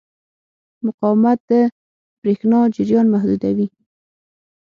مقاومت د برېښنا جریان محدودوي.